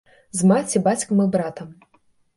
З маці, бацькам і братам.